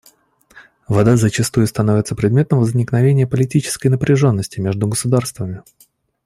Вода зачастую становится предметом возникновения политической напряженности между государствами.